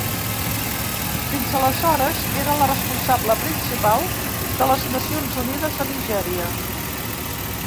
Fins aleshores, era la responsable principal de les Nacions Unides a Nigèria.